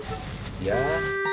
sebentar ya mang